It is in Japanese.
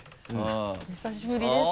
お久しぶりです。